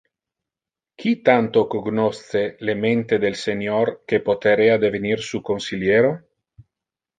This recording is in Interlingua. Qui tanto cognosce le mente del Senior que poterea devenir su consiliero?